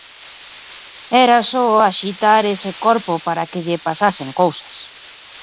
Era só axitar ese corpo para que lle pasasen cousas.